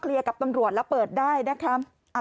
เคลียร์กับตำรวจแล้วเปิดได้นะครับ